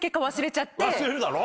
忘れるだろ？